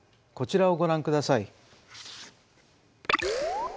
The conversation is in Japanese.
こちらをご覧ください。